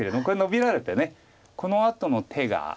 これノビられてこのあとの手が。